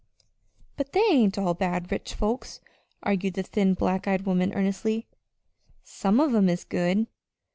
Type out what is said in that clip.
"But they ain't all bad rich folks," argued the thin, black eyed woman, earnestly. "Some of 'em is good."